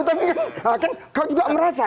tapi kan kau juga merasa